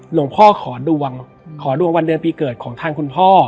หลวงพ่อขอดวงขอดวงวันเดือนปีเกิดของทางคุณพ่อ